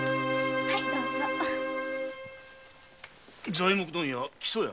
材木問屋の木曽屋？